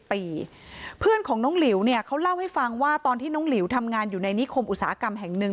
เพื่อนของน้องหลิวเนี่ยเขาเล่าให้ฟังว่าตอนที่น้องหลิวทำงานอยู่ในนิคมอุตสาหกรรมแห่งหนึ่ง